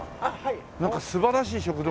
なんか素晴らしい食堂があって。